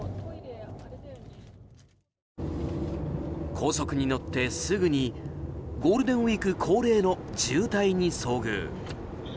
高速に乗ってすぐにゴールデンウィーク恒例の渋滞に遭遇。